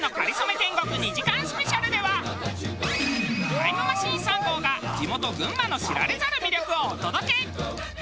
タイムマシーン３号が地元群馬の知られざる魅力をお届け。